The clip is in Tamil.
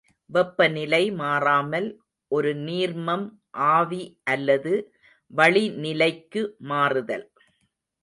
வெப்பநிலை மாறாமல் ஒரு நீர்மம் ஆவி அல்லது வளிநிலைக்கு மாறுதல்.